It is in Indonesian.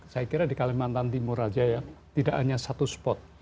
saya kira di kalimantan timur saja ya tidak hanya satu spot